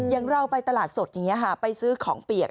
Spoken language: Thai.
อย่างเราไปตลาดสดอย่างนี้ค่ะไปซื้อของเปียก